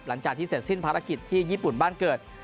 หลังจากที่เสร็จสิ้นภารกิจที่ญี่ปุ่นบ้านเกิด